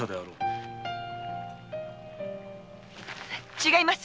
違います！